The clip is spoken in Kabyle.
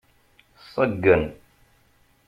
Ṣeggen.